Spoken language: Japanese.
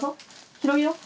広げよう。